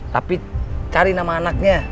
tapi cari nama anaknya